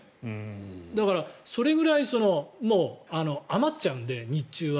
だからそれぐらい余っちゃうので日中は。